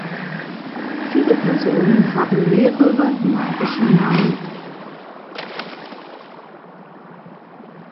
Viele Personen haben mehrere magische Namen.